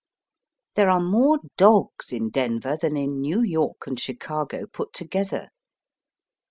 There are more dogs in Denver than in New York and Chicago put together.